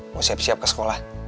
mau siap siap ke sekolah